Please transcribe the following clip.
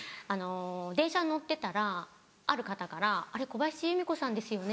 電車に乗ってたらある方から「あれ？小林由美子さんですよね」